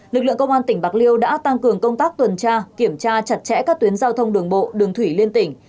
lực lượng công an tỉnh bạc liêu đã tăng cường công tác tuần tra kiểm tra chặt chẽ các tuyến giao thông đường bộ đường thủy liên tỉnh